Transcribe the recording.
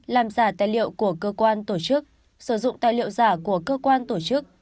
làm giả tài liệu của cơ quan tổ chức sử dụng tài liệu giả của cơ quan tổ chức